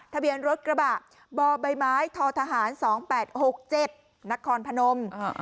ทะเบียนรถกระบะบใบไม้ททหาร๒๘๖๗นครพนม